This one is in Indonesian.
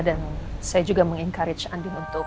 dan saya juga meng encourage andin untuk